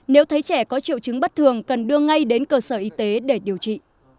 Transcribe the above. nếu thấy trẻ có triệu chứng bất thường cần đưa ngay đến cơ sở y tế để điều trị